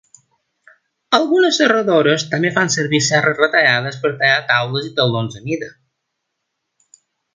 Algunes serradores també fan servir serres retallades per tallar taules i taulons a mida.